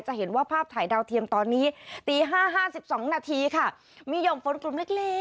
จะเห็นว่าภาพถ่ายดาวเทียมตอนนี้ตี๕๕๒นาทีค่ะมีห่อมฝนกลุ่มเล็ก